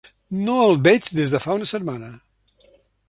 No el veig des de fa una setmana.